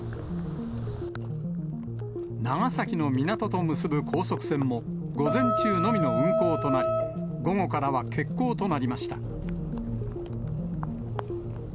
長崎の港と結ぶ高速船も、午前中のみの運航となり、午後からは欠航となりました。